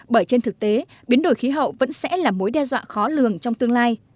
bởi trên thực tế biến đổi khí hậu vẫn sẽ là mối đe dọa khó lường trong tương lai